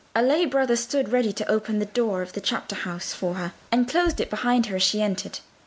A lay Brother stood ready to open the door of the chapter house for her, and closed it behind her as she entered.